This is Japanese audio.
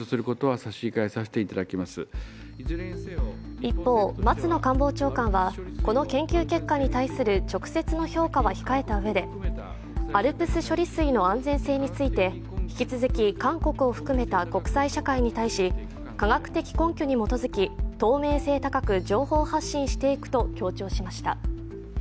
一方、松野官房長官は、この研究結果に対する直接の評価は控えたうえでＡＬＰＳ処理水の安全性について引き続き韓国を含めた国際社会に対し科学的根拠に基づき透明性高く情報発信していくと強調しました。